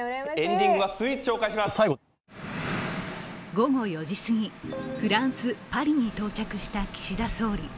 午後４時すぎ、フランス・パリに到着した岸田総理。